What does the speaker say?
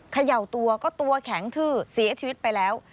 เขย่าตัวก็ตัวแข็งทื้อเสียชีวิตไปแล้ว